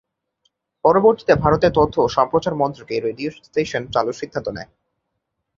পরবর্তীতে ভারতের তথ্য ও সম্প্রচার মন্ত্রক এই রেডিও স্টেশন চালুর সিদ্ধান্ত নেয়।